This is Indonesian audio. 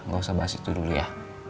gak usah bahas itu dulu ya